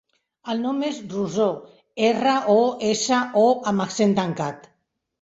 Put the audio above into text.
El nom és Rosó: erra, o, essa, o amb accent tancat.